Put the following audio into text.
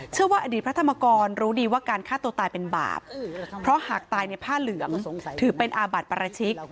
ว่าอดีตพระธรรมกรรู้ดีว่าการฆ่าตัวตายเป็นบาปเพราะหากตายในผ้าเหลืองถือเป็นอาบัติปราชิก